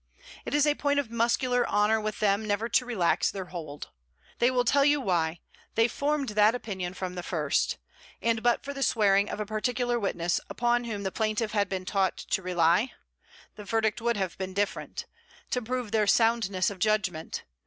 It is a point of muscular honour with them never to relax their hold. They will tell you why: they formed that opinion from the first. And but for the swearing of a particular witness, upon whom the plaintiff had been taught to rely, the verdict would have been different to prove their soundness of judgement.